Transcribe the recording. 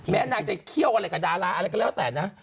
นางจะเคี่ยวอะไรกับดาราอะไรก็แล้วแต่นะ